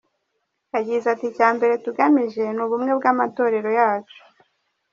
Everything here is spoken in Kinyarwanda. Yagize ati “Icya mbere tugamije, ni ubumwe bw’amatorero yacu.